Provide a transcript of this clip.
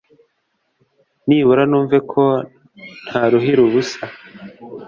Nibura numve ko ntaruhira ubusa